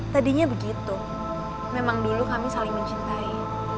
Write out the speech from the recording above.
tadinya begitu memang dulu kami saling mencintai